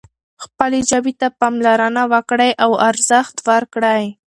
خپلې ژبې ته پاملرنه وکړئ او ارزښت ورکړئ.